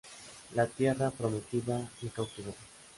La tierra "prometida" le cautivó.